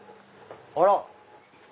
あら！